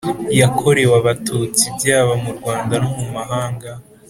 Yakorewe abatutsi byaba mu rwanda no mu mahanga